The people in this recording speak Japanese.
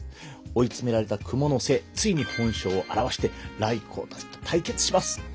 追い詰められた蜘蛛の精ついに本性を現して頼光たちと対決します。